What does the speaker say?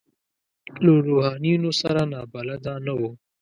له روحانیونو سره نابلده نه وو.